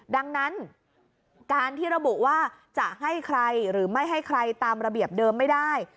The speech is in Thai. ดังนั้นการที่ระบุว่าจะให้ใครหรือไม่ให้ใครตามระเบียบเดิมไม่ได้